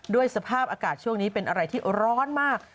สภาพอากาศช่วงนี้เป็นอะไรที่ร้อนมาก